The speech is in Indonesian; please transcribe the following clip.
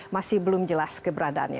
masih belum jelas keberadaannya